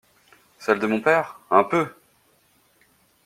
Celle de mon père, un peu!